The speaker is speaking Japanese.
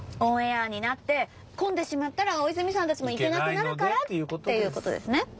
「オンエアになって混んでしまったら大泉さんたちも行けなくなるから」っていうコトですね？